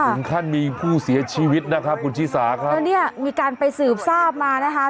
ถึงขั้นมีผู้เสียชีวิตนะครับคุณชิสาครับแล้วเนี่ยมีการไปสืบทราบมานะคะ